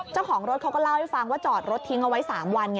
เจ้าของรถเขาก็เล่าให้ฟังว่าจอดรถทิ้งเอาไว้๓วัน